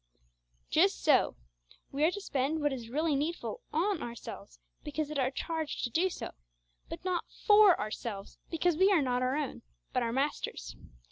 Just so, we are to spend what is really needful on ourselves, because it is our charge to do so; but not for ourselves, because we are not our own, but our Master's.